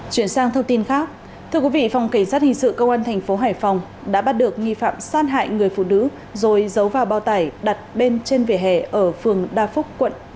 chuyển sang thông tin khác thưa quý vị phòng cảnh sát hình sự công an thành phố hải phòng đã bắt được nghi phạm sát hại người phụ nữ rồi giấu vào bao tải đặt bên trên vỉa hè ở phường đa phúc quận